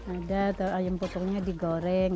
ada atau ayam potongnya digoreng